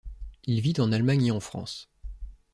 Il vit en Allemagne et en France.